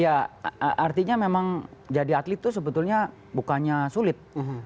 ya artinya memang jadi atlet itu sebetulnya bukannya sulit